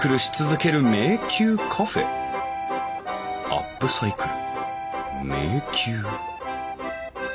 アップサイクル迷宮？